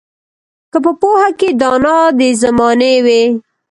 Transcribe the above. که په پوهه کې دانا د زمانې وي